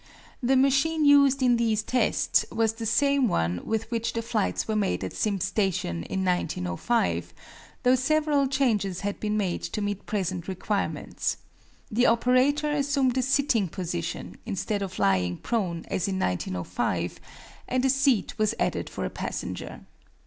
The machine used in these tests was the same one with which the flights were made at Simms Station in 1905, though several changes had been made to meet present requirements. The operator assumed a sitting position, instead of lying prone, as in 1905, and a seat was added for a passenger.